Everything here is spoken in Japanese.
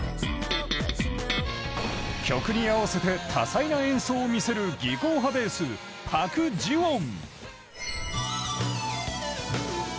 曲に合わせて多彩な演奏を見せる技巧派ベース、パク・ジウォン。